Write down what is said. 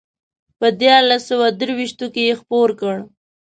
په دیارلس سوه درویشتو کې یې خپور کړ.